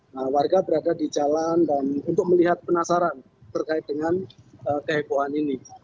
nah warga berada di jalan dan untuk melihat penasaran terkait dengan kehebohan ini